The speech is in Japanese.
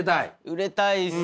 売れたいですね。